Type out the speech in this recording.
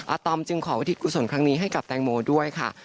ตอมจึงขอวิธีกุศลครั้งนี้ให้กับแตงโมด้วยค่ะ